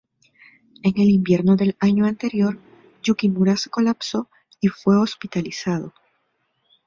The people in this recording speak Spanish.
En el invierno del año anterior, Yukimura se colapsó y fue hospitalizado.